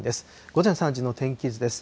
午前３時の天気図です。